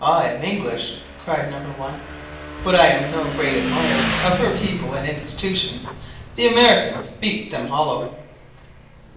"I am English," cried number one; "but I am no great admirer of her people and institutions. The Americans beat them hollow."